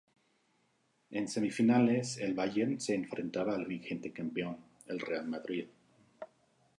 En semifinales, el Bayern se enfrentaba al vigente campeón, el Real Madrid.